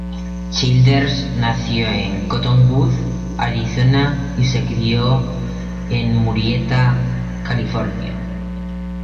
Childers nació en Cottonwood, Arizona y se crió en Murrieta, California.